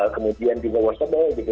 kemudian juga wasabi